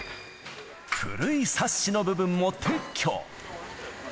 古いサッシの部分も撤去。